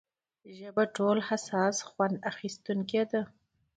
ژبه ټولو حساس خوند اخیستونکې ده.